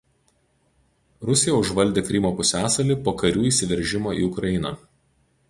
Rusija užvaldė Krymo pusiasalį po karių įsiveržimo į Ukrainą.